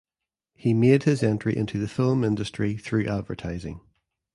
He made his entry into the film industry through advertising.